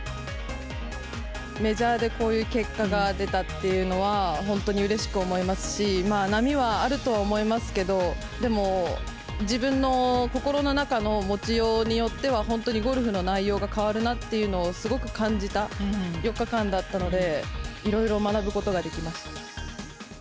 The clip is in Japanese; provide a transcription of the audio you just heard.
メジャーでこういう結果が出たっていうのは、本当にうれしく思いますし、波はあるとは思いますけど、でも自分の心の中の持ちようによっては、本当にゴルフの内容が変わるなっていうのをすごく感じた４日間だったので、いろいろ学ぶことができました。